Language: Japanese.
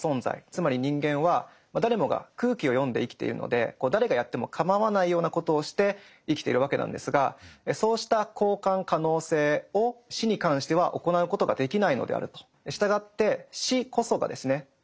つまり人間は誰もが空気を読んで生きているので誰がやってもかまわないようなことをして生きているわけなんですがそうした交換可能性を死に関しては行うことができないのであると。